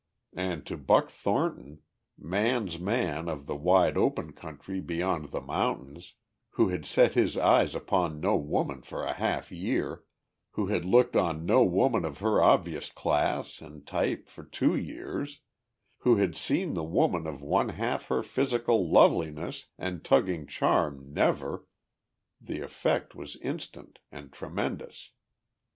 And to Buck Thornton, man's man of the wide open country beyond the mountains, who had set his eyes upon no woman for a half year, who had looked on no woman of her obvious class and type for two years, who had seen the woman of one half her physical loveliness and tugging charm never, the effect was instant and tremendous.